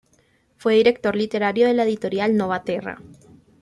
Fue director literario de la editorial Nova Terra.